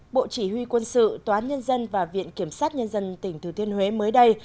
bộ chỉ huy quân sự toán nhân dân và viện kiểm sát nhân dân tỉnh thừa thiên huế mới đây